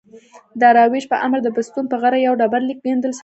داریوش په امر د بستون پر غره یو ډبر لیک کیندل سوی دﺉ.